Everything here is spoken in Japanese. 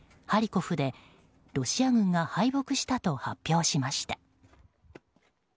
ハリコフでロシア軍が敗北したと発表しました。